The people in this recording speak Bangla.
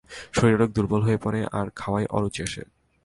শরীর অনেক দুর্বল হয়ে পড়ে আর খাওয়ায় অরুচি আসে।